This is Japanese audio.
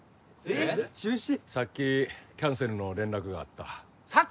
さっきキャンセルの連絡があったさっき？